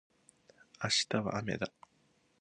明日はあめだ